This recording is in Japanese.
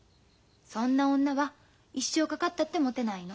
そんな女は一生かかったってもてないの。